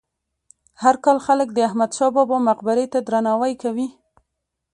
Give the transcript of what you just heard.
هر کال خلک د احمد شاه بابا مقبرې ته درناوی کوي.